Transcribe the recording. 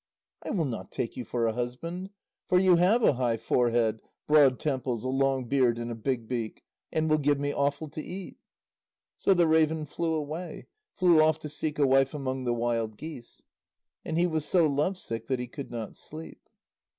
"I will not take you for a husband, for you have a high forehead, broad temples, a long beard and a big beak, and will give me offal to eat." So the raven flew away flew off to seek a wife among the wild geese. And he was so lovesick that he could not sleep.